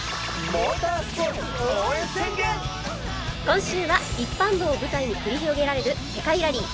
今週は一般道を舞台に繰り広げられる世界ラリー！